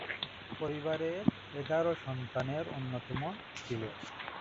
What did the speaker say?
পরিবারের এগারো সন্তানের অন্যতম ছিলেন।